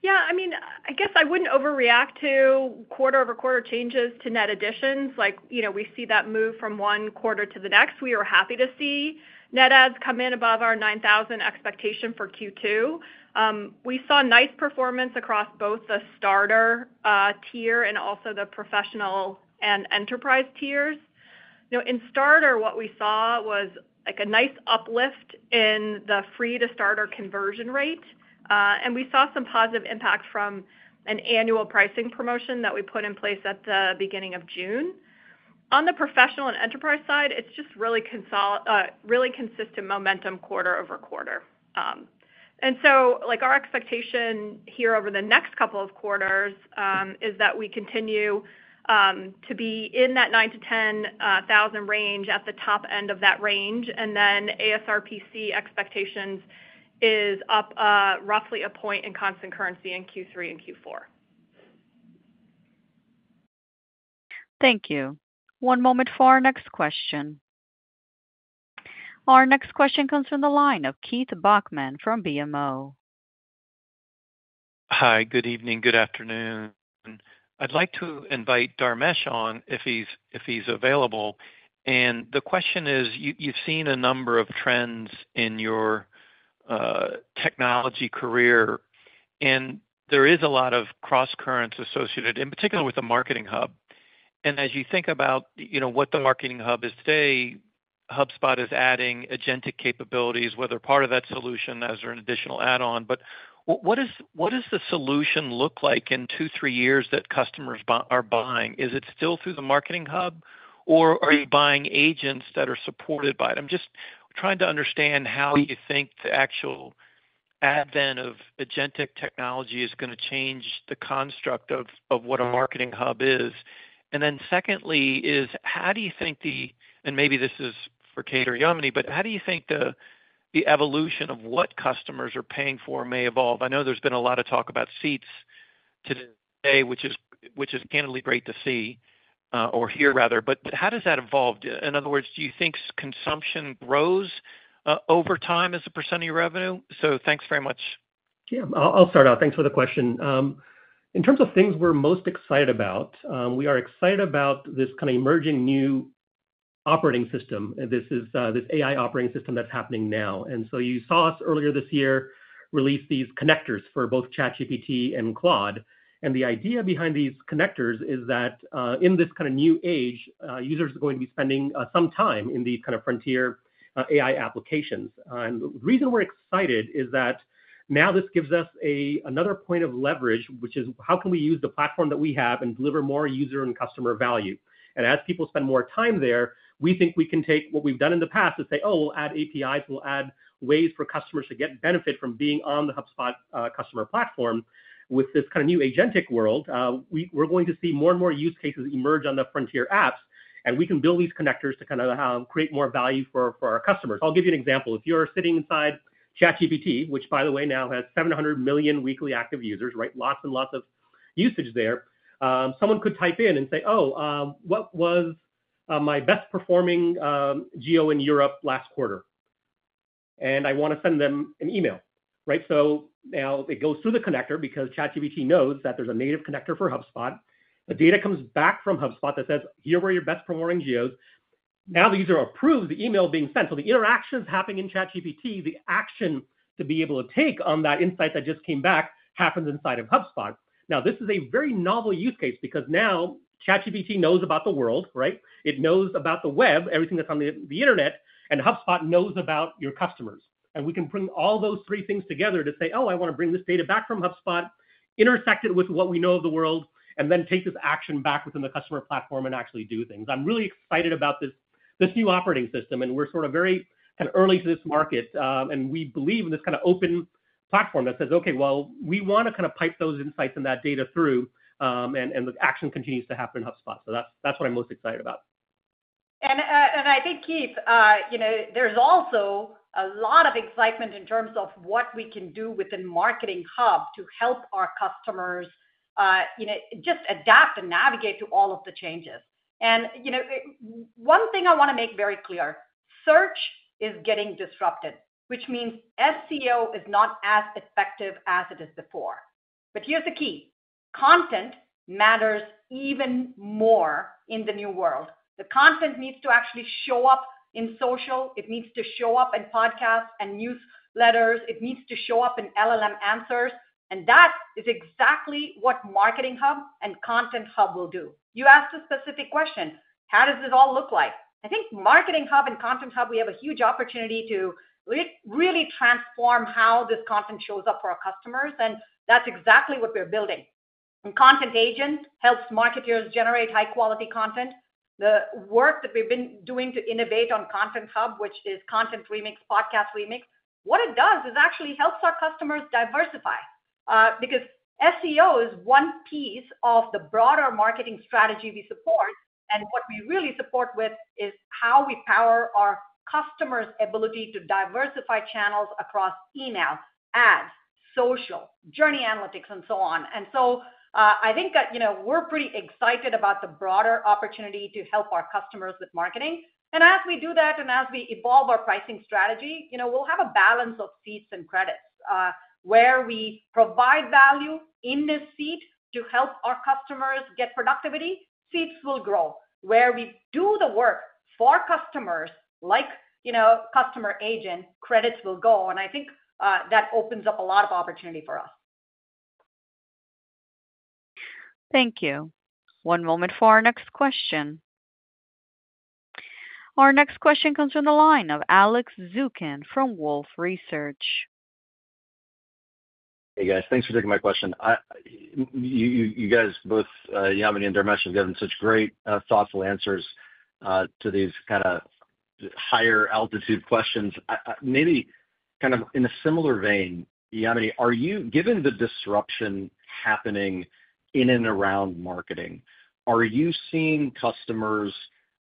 Yeah, I mean I guess I wouldn't overreact to quarter over quarter changes to net additions. We see that move from one quarter to the next. We are happy to see net adds come in above our 9,000 expectation for Q2. We saw nice performance across both the starter tier and also the professional and enterprise tiers. In starter, what we saw was like a nice uplift in the free to starter conversion rate, and we saw some positive impact from an annual pricing promotion that we put in place at the beginning of June. On the professional and enterprise side, it's just really consistent momentum quarter over quarter. Our expectation here over the next couple of quarters is that we continue to be in that 9,000-10,000 range at the top end of that range, and then ASRPC expectations is up roughly a point in constant currency in Q3 and Q4. Thank you. One moment for our next question. Our next question comes from the line of Keith Bachman from BMO. Hi, good evening. Good afternoon. I'd like to invite Dharmesh on if he's available. The question is, you've seen a number of trends in your technology career. There is a lot of cross currents associated in particular with the Marketing Hub. As you think about what the Marketing Hub is today, HubSpot is adding agentic capabilities, whether part of that solution as an additional add-on. What does the solution look like in two, three years, that customers are buying? Is it still through the Marketing Hub, or are you buying agents that are supported by it? I'm just trying to understand how you think the actual advent of agentic technology is going to change the construct of what a Marketing Hub is. How do you think the, and maybe this is for Kate or Yamini, but how do you think the evolution of what customers are paying for may evolve? I know there's been a lot of talk about seats today, which is great to see or hear. Rather, how does that evolve? In other words, do you think consumption grows over time as a percent of your revenue. Thanks very much. I'll start out. Thanks for the question. In terms of things we're most excited about, we are excited about this kind of emerging new operating system. This is this AI operating system that's happening now. You saw us earlier this year release these connectors for both ChatGPT and Quad. The idea behind these connectors is that in this kind of new age, users are going to be spending some time in these kind of frontier AI applications. The reason we're excited is that now this gives us another point of leverage, which is how can we use the platform that we have and deliver more user and customer value? As people spend more time there, we think we can take what we've done in the past and say, oh, we'll add API, we'll add ways for customers to get benefit from being on the HubSpot customer platform. With this kind of new agentic world, we're going to see more and more use cases emerge on the frontier apps and we can build these connectors to kind of create more value for our customers. I'll give you an example. If you're sitting inside ChatGPT, which by the way now has 700 million weekly active users, right? Lots and lots of usage there. Someone could type in and say, oh, what was my best performing GEO in Europe last quarter? I want to send them an email, right? Now it goes through the connector because ChatGPT knows that there's a native connector for HubSpot. The data comes back from HubSpot that says, here were your best performing GEOs. Now the user approved the email being sent. The interaction's happening in ChatGPT, the action to be able to take on that insight that just came back happens inside of HubSpot. This is a very novel use case because now ChatGPT knows about the world, right? It knows about the web, everything that's on the Internet, and HubSpot knows about your customers. We can bring all those three things together to say, oh, I want to bring this data back from HubSpot, intersect it with what we know of the world, and then take this action back within the customer platform and actually do things. I'm really excited about this new operating system and we're sort of very early to this market and we believe in this kind of open platform that says, okay, we want to kind of pipe those insights and that data through. The action continues to happen in HubSpot. That's what I'm most excited about. I think, Keith, there's also a lot of excitement in terms of what we can do within Marketing Hub to help our customers just adapt and navigate to all of the changes. One thing I want to make very clear, search is getting disrupted, which means SEO is not as effective as it is before. Here's the key, content matters even more in the new world. The content needs to actually show up in social. It needs to show up in podcasts and newsletters. It needs to show up in LLM answers. That is exactly what Marketing Hub and Content Hub will do. You asked a specific question, how does this all look like? I think Marketing Hub and Content Hub, we have a huge opportunity to really transform how this content shows up for our customers. That's exactly what we're building. Content Agent helps marketers generate high quality content. The work that we've been doing to innovate on Content Hub, which is content remix, podcast remix, what it does is actually helps our customers diversify because SEO is one piece of the broader marketing strategy we support. What we really support with is. How we power our customers' ability to diversify channels across email, ads, social, journey analytics, and so on. I think we're pretty excited about the broader opportunity to help our customers with marketing. As we do that and as we evolve our pricing strategy, we'll have a balance of seats and credits where we provide value in this seat to help our customers get productivity. Seats will grow where we do the work for customers, like Customer Agent, credits will go. I think that opens up a lot of opportunity for us. Thank you. One moment for our next question. Our next question comes from the line of Alex Zukin from Wolfe Research. Hey guys, thanks for taking my question. Both Yamini and Dharmesh have given such great, thoughtful answers to these kind of higher altitude questions. Maybe kind of in a similar vein, Yamini, are you, given the disruption happening in and around marketing, are you seeing customers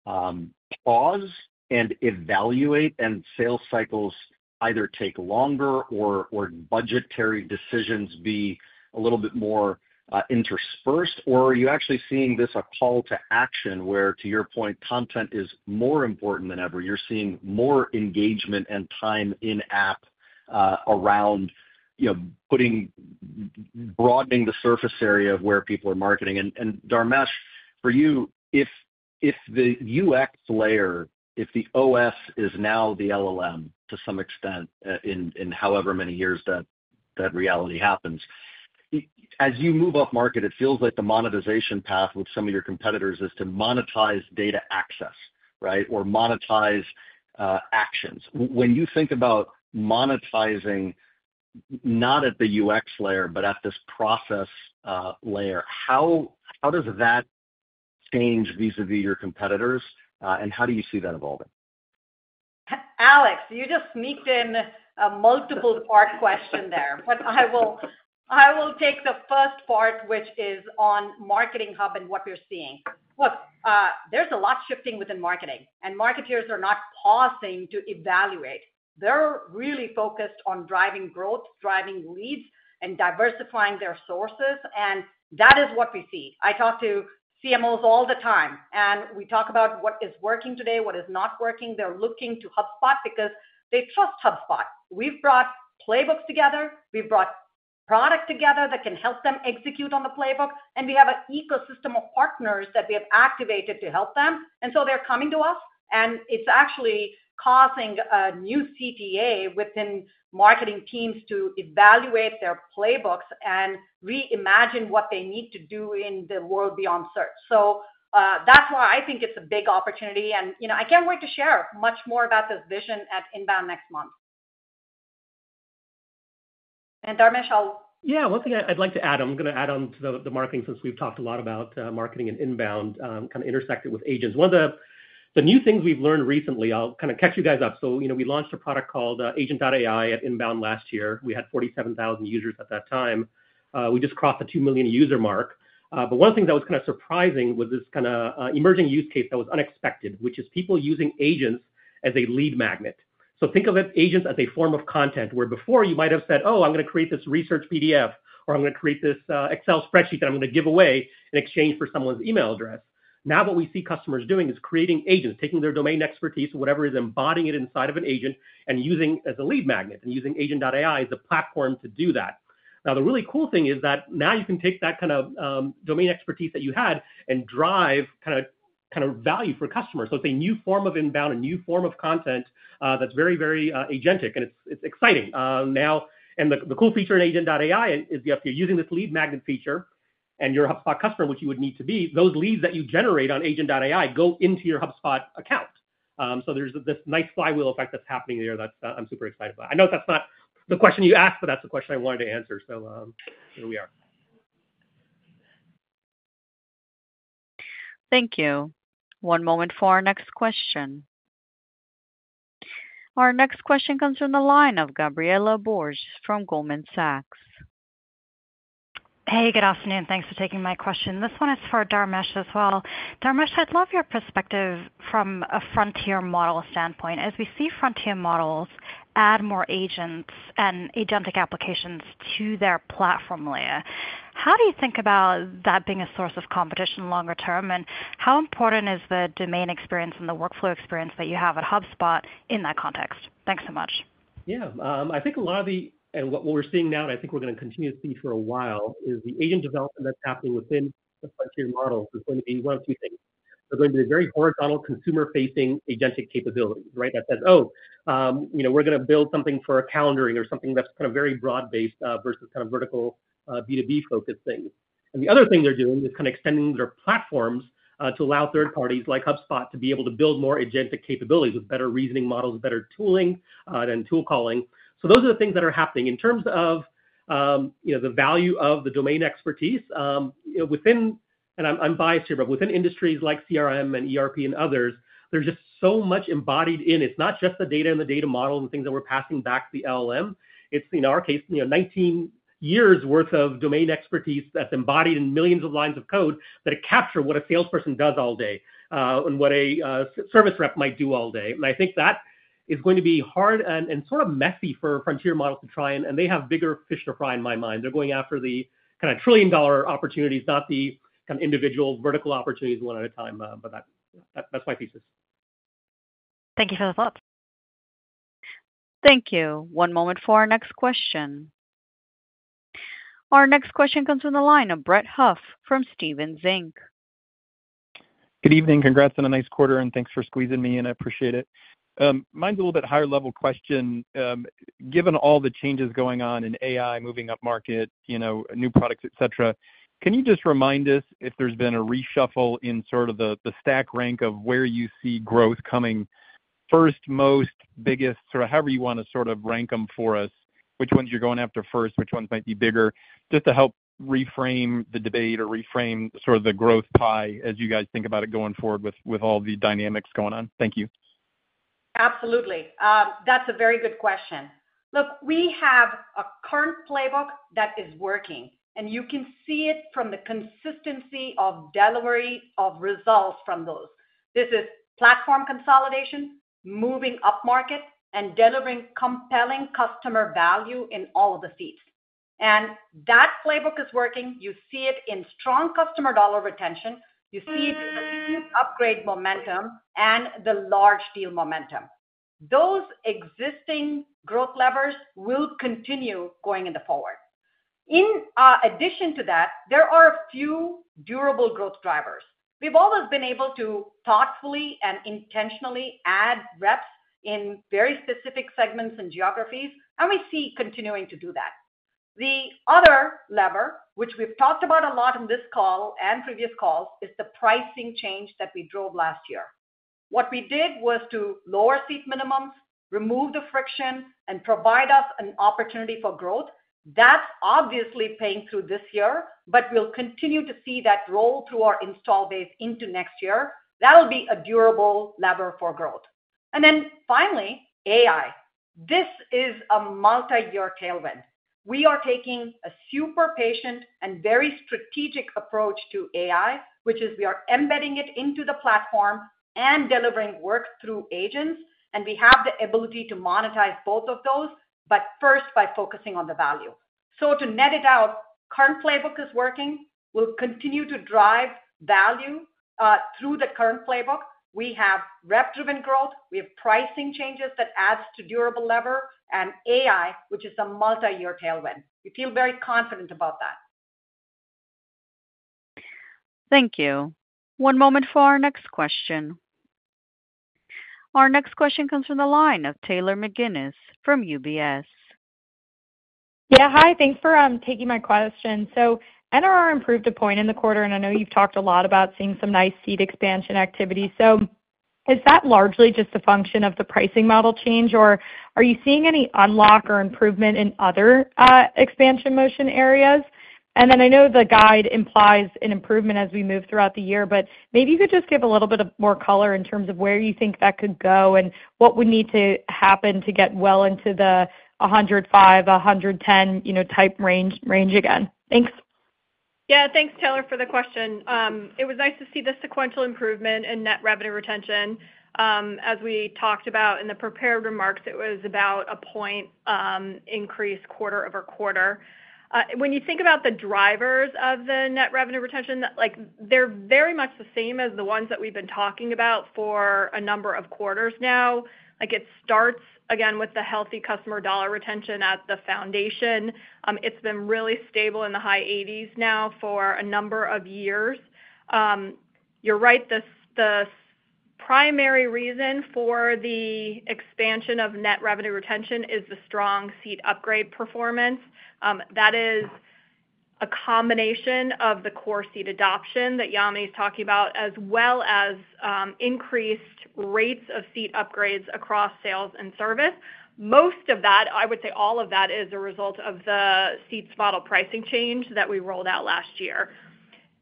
pause and evaluate and sales cycles either take longer or budgetary decisions be a little bit more interspersed, or are you actually seeing this a call to action where, to your point, content is more important than ever? You're seeing more engagement and time in app around, you know, putting, broadening the surface area of where people are marketing. And Dharmesh, for you, if the UX layer, if the OS is now the LLM to some extent in however many years that reality happens as you move upmarket, it feels like the monetization path with some of your competitors is to monetize data access, right, or monetize actions. When you think about monetizing not at the UX layer, but at this process layer, how does that change vis-à-vis your competitors, and how do you see that evolving? Alex, you just sneaked in a multiple part question there, but I will take the first part, which is on Marketing Hub and what you're seeing. Look, there's a lot shifting within marketing and marketers are not pausing to evaluate. They're really focused on driving growth, driving leads, and diversifying their sources. That is what we see. I talk to CMOs all the time and we talk about what is working today, what is not working. They're looking to HubSpot because they trust HubSpot. We've brought playbooks together, we've brought products together that can help them execute on the playbook. We have an ecosystem of partners that we have activated to help them. They're coming to us and it's actually causing a new CTA within marketing teams to evaluate their playbooks and reimagine what they need to do in the world beyond search. That is why I think it's a big opportunity. I can't wait to share much more about this vision at Inbound next month, and Dharmesh. Yeah, one thing I'd like to add, I'm going to add on to the marketing, since we've talked a lot about marketing and Inbound kind of intersected with agents. One of the new things we've learned recently, I'll catch you guys up. You know, we launched a product called Agent AI at Inbound last year. We had 47,000 users at that time. We just crossed the 2 million user mark. One thing that was kind of surprising was this kind of emerging use case that was unexpected, which is people using agent as a lead magnet. Think of agents as a form of content. Where before you might have said, oh, I'm going to create this research PDF, or I'm going to create this Excel spreadsheet that I'm going to give away in exchange for someone's email address. Now, what we see customers doing is creating agents, taking their domain expertise, whatever is embodying it inside of an agent and using as a lead magnet and using Agent AI as a platform to do that. The really cool thing is that now you can take that kind of domain expertise that you had and drive kind of value for customers. It's a new form of inbound, a new form of content that's very, very agentic. It's exciting now. The cool feature in Agent AI is if you're using this lead magnet feature and you're a HubSpot customer, which you would need to be, those leads that you generate on Agent AI go into your HubSpot account. There's this nice flywheel effect that's happening there that I'm super excited about. I know that's not the question you asked, but that's the question I wanted to answer. Here we are. Thank you. One moment for our next question. Our next question comes from the line of Gabriela Borges from Goldman Sachs. Hey, good afternoon. Thanks for taking my question. This one is for Dharmesh as well. Dharmesh, I'd love your perspective from a frontier model standpoint. As we see frontier models add more agents and agentic applications to their platform layer. How do you think about that being a source of competition longer term? How important is the domain experience the workflow experience that you have at HubSpot in that context? Thanks so much. Yeah, I think a lot of what we're seeing now, and I think we're going to continue to see for a while, is the agent development that's happening within the frontier model is going to be one of two things. They're going to be very horizontal, consumer-facing agentic capability, right? That says, oh, you know, we're going to build something for calendaring or something that's kind of very broad-based versus kind of vertical B2B-focused things. The other thing they're doing is kind of extending their platforms to allow third parties like HubSpot to be able to build more agentic capabilities with better reasoning models, better tooling than tool calling. Those are the things that are happening in terms of the value of the domain expertise within, and I'm biased here, but within industries like CRM and ERP and others, there's just so much embodied in. It's not just the data and the data model and things that we're passing back to the LLM. In our case, it's 19 years worth of domain expertise that's embodied in millions of lines of code that capture what a salesperson does all day and what a service rep might do all day. I think that is going to be hard and sort of messy for frontier models to try. They have bigger fish to fry. In my mind, they're going after the kind of trillion dollar opportunities, not the kind of individual vertical opportunities one at a time. That's my thesis. Thank you for the thought. Thank you. One moment for our next question. Our next question comes from the line of Brett Huff from Stephens. Good evening. Congrats on a nice quarter, and thanks for squeezing me in. I appreciate it. Mine's a little bit higher level question. Given all the changes going on in AI, moving upmarket, you know, new products, et cetera, can you just remind us if there's been a reshuffle in sort of the stack rank of where you see growth coming first, most, biggest. However you want to sort of rank them for us, which ones you're going after first, which ones might be just to help reframe the debates or reframe the growth tie as you guys think about it going forward with all the dynamics going on? Thank you. Absolutely. That's a very good question. Look, we have a current playbook that is working, and you can see it from the consistency of delivery of results from those. This is platform consolidation, moving upmarket, and delivering compelling customer value in all of the seats. That playbook is working. You see it in strong customer dollar retention, upgrade momentum, and large deal momentum. Those existing growth levers will continue going forward. In addition to that, there are a few durable growth drivers. We've always been able to thoughtfully and intentionally add reps in very specific segments and geographies, and we see continuing to do that. The other lever, which we've talked about a lot in this call and previous calls, is the pricing change that we drove last year. What we did was to lower seat minimums, remove the friction, and provide us an opportunity for growth. That's obviously paying through this year. We'll continue to see that roll through our install base into next year. That'll be a durable lever for growth. Finally, AI. This is a multi-year tailwind. We are taking a super patient and very strategic approach to AI, which is we are embedding it into the platform and delivering work through agents, and we have the ability to monetize both of those, but first by focusing on the value. To net it out, current playbook is working. We'll continue to drive value through the current playbook. We have rep-driven growth, we have pricing changes that add to durable lever, and AI, which is a multi-year tailwind. We feel very confident about that. Thank you. One moment for our next question. Our next question comes from the line of Taylor McGinnis from UBS. Yeah, hi, thanks for taking my question. NRR improved a point in the quarter and I know you've talked a lot about seeing some nice seat expansion activity. Is that largely just a function of the pricing model change or are you seeing any unlock or improvement in other expansion motion areas? I know the guide implies an improvement as we move throughout the year, maybe you could just give a little bit more color in terms of where you think that could go and what would need to happen to get well into the 105, 110 type range again? Thanks. Yeah, thanks Taylor for the question. It was nice to see the sequential improvement in net revenue retention. As we talked about in the prepared remarks, it was about a point increase quarter-over-quarter. When you think about the drivers of the net revenue retention, they're very much the same as the ones that we've been talking about for a number of quarters now. It starts again with the healthy customer dollar retention at the foundation. It's been really stable in the high 80s now for a number of years. You're right. The primary reason for the expansion of net revenue retention is the strong seat upgrade performance. That is a combination of the core seat adoption that Yamini is talking about as well as increased rates of seat upgrades across Sales Hub and Service Hub. Most of that, I would say all of that, is a result of the seat-based model pricing change that we rolled out last year.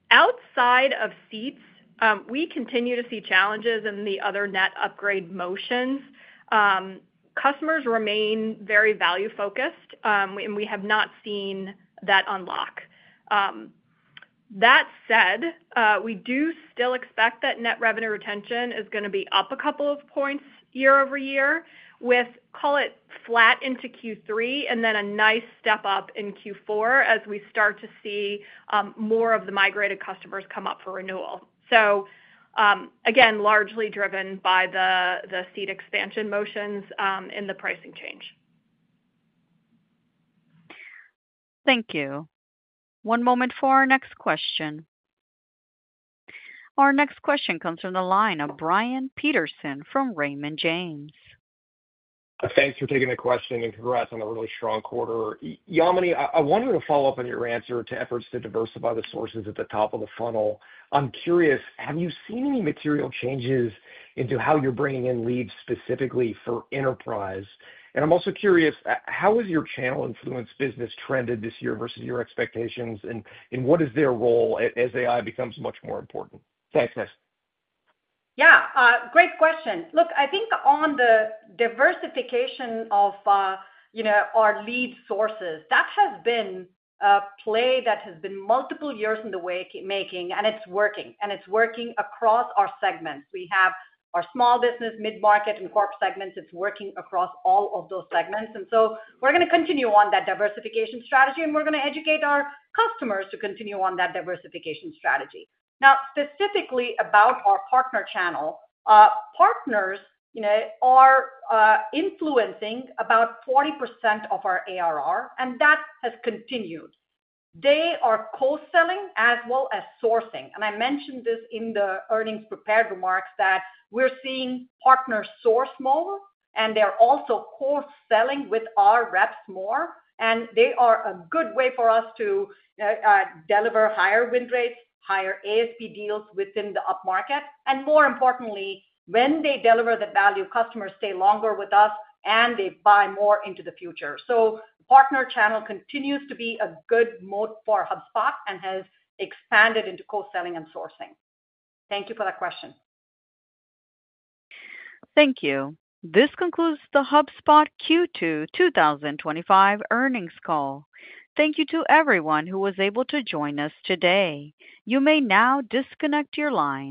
Outside of seats, we continue to see challenges in the other net upgrade motions. Customers remain very value focused and we have not seen that unlock. That said, we do still expect that net revenue retention is going to be up a couple of points year over year with, call it, flat into Q3 and then a nice step up in Q4 as we start to see more of the migrated customers come up for renewal. Again, largely driven by the seat expansion motions in the pricing change. Thank you. One moment for our next question. Our next question comes from the line of Brian Peterson from Raymond James. Thanks for taking the question, and congrats on a really strong quarter. Yamini, I wanted to follow up on. Your answer to efforts to diversify the sources at the top of the funnel? I'm curious, have you seen any material changes in how you're bringing in leads specifically for enterprise? I'm also curious how is your channel influence business trended this year versus your expectations and what is their role as AI becomes much more important? Thanks. Yeah, great question. Look, I think on the diversification of, you know, our lead sources, that has been a play that has been multiple years in the making and it's working. It's working across our segments. We have our small business, mid market, and corp segments. It's working across all of those segments, and we're going to continue on that diversification strategy, and we're going to educate our customers to continue on that diversification strategy. Now, specifically about our partner channel, partners are influencing about 40% of our ARR, and that has continued. They are co-selling as well as sourcing, and I mentioned this in the earnings prepared remarks that we're seeing partners source more, and they're also selling with our reps more. They are a good way for us to deliver higher win rates, higher ASP deals within the upmarket, and more importantly, when they deliver that value, customers stay longer with us and they buy more into the future. Partner channel continues to be a good moat for HubSpot and has expanded into co-selling and sourcing. Thank you for that question. Thank you. This concludes the HubSpot Q2 2025 earnings call. Thank you to everyone who was able to join us today. You may now disconnect your line.